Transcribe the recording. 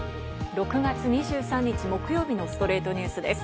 ６月２３日、木曜日の『ストレイトニュース』です。